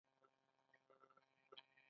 د ځیګر د پړسوب لپاره د کاسني عرق وڅښئ